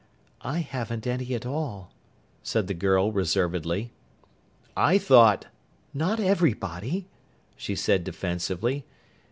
"I haven't any at all," said the girl reservedly. "I thought " "Not everybody," she said defensively.